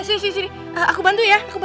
sih sini aku bantu ya